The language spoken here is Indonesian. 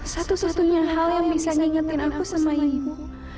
satu satunya hal yang bisa ngingetin aku sama ibu